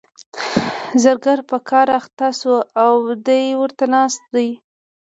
زرګر په کار اخته شو او دی ورته ناست دی.